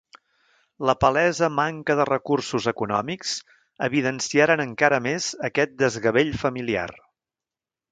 La palesa manca de recursos econòmics evidenciaren encara més aquest desgavell familiar.